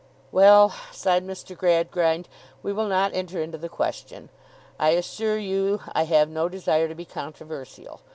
'Well,' sighed Mr. Gradgrind, 'we will not enter into the question. I assure you I have no desire to be controversial.